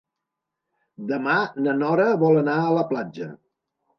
Demà na Nora vol anar a la platja.